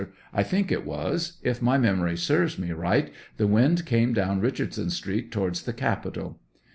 I think it was; if my memory serves me right, the wind came down Eichardson Street towards the capitol.